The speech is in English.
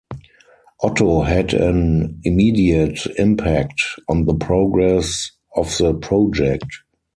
Otto had an immediate impact on the progress of the project.